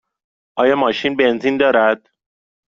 آیا ماشین بنزین دارد؟